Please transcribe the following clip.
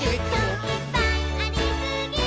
「いっぱいありすぎー！！」